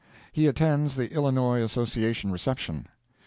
He Attends the Illinois Association Reception.